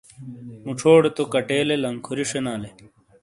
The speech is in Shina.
مُچھو ڑے تو کَٹیلے لنکھوری شینالے۔